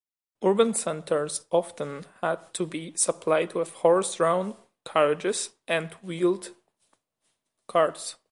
Urban centers often had to be supplied with horse-drawn carriages and wheeled carts.